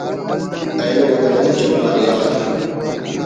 اینو اگہ نن جبار یار